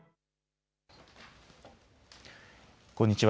こんにちは。